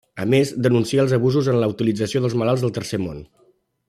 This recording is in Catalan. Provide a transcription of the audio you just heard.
A més, denuncia els abusos en la utilització dels malalts del tercer món.